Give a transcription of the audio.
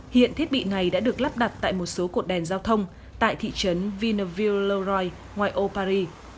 hiện thiết bị này đã được lắp đặt tại một số cột đèn giao thông tại thị trấn villers le roy ngoài ô paris